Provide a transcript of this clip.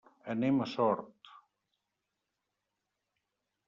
Anem a Sort.